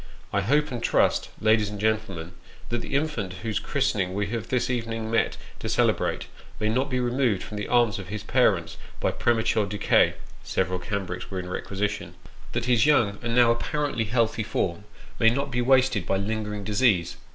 I hope and trust, ladies and gentlemen, that the infant whose christening we have this evening met to celebrate, may not be removed from the arms of his parents by premature decay (several cambrics were in requisition) : that his young and now apparently healthy form, may not be wasted by linger ing disease.